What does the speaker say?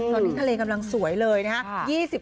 ตอนนี้ทะเลกำลังสวยเลยนะครับ